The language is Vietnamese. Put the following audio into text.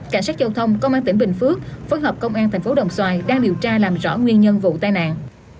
cảnh sát giao thông công an tỉnh bình phước phối hợp công an thành phố đồng xoài đang điều tra làm rõ nguyên nhân vụ tai nạn